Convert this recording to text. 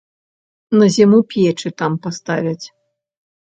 На зіму печы там паставяць.